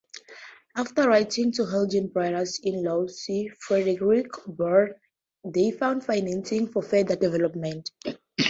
After writing to Hilgen's brother-in-law, C. Frederick Boerner, they found financing for further development.